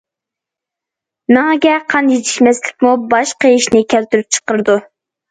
مېڭىگە قان يېتىشمەسلىكمۇ باش قېيىشنى كەلتۈرۈپ چىقىرىدۇ.